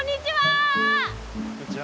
こんにちは！